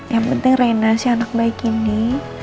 yang penting reina si anak baik ini